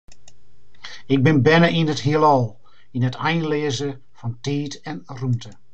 Ik bin berne yn it Hielal, yn it einleaze fan tiid en rûmte.